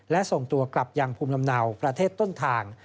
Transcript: และส่งตัวกลับยังภูมิลำเนาประเทศต้นทาง